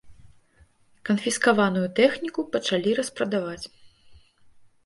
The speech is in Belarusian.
Канфіскаваную тэхніку пачалі распрадаваць.